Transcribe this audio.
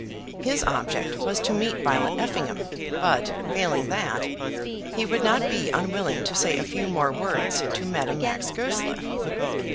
His object was to meet Violet Effingham, but, failing that, he would not be unwilling to say a few more words to Madame Max Goesler.